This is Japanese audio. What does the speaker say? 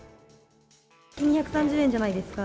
２３０円じゃないですか。